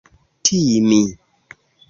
timi